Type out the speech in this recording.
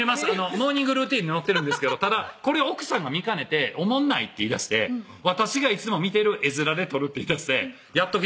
モーニングルーティンに載ってるんですけどただこれを奥さんが見かねて「おもんない」って言いだして「私がいつも見てる絵面で撮る」って言いだして「やっとき」